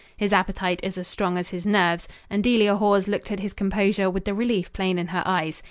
His appetite is as strong as his nerves, and Delia Hawes looked at his composure with the relief plain in her eyes.